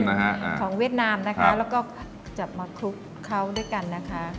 น้ำจิ้มนะคะน้ำจิ้มของเวียดนามนะคะแล้วก็จะมาคลุกเขาด้วยกันนะคะ